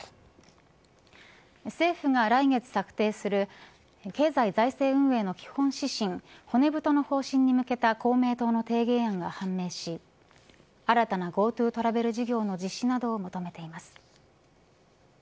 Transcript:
政府が来月策定する経済財政運営の基本指針骨太の方針に向けた公明党の提言案が判明し新たなＧｏＴｏトラベル事業の実施などを求めています。